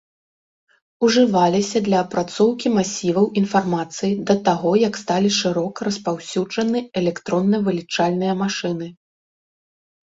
Ужываліся для апрацоўкі масіваў інфармацыі да таго, як сталі шырока распаўсюджаны электронна-вылічальныя машыны.